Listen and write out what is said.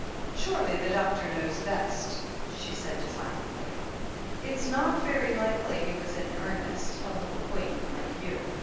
"Surely the doctor knows best," she said defiantly. "It's not very likely he was in earnest — z. little hoyden like you.